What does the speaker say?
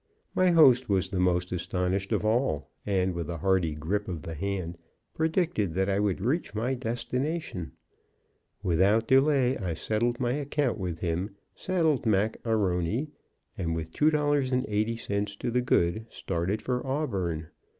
My host was the most astonished of all, and, with a hearty grip of the hand, predicted that I would reach my destination. Without delay I settled my account with him, saddled Mac A'Rony, and with $2.80 to the good started for Auburn.